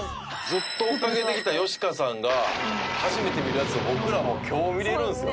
「ずっと追いかけてきたよしかさんが初めて見るやつを僕らも今日見れるんですよ」